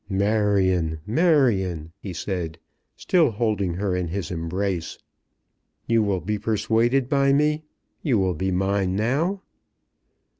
"Marion, Marion," he said, still holding her in his embrace, "you will be persuaded by me? You will be mine now?"